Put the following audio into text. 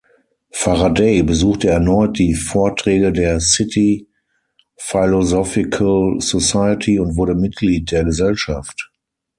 Faraday besuchte erneut die Vorträge der City Philosophical Society und wurde Mitglied der Gesellschaft.